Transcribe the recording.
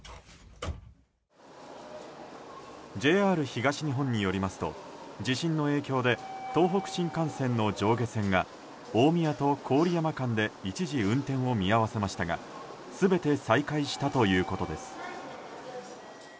ＪＲ東日本によりますと地震の影響で東北新幹線の上下線が大宮と郡山間で一時運転を見合わせましたが全て再開したということです。